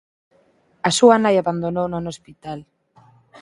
A súa nai abandonouna no hospital.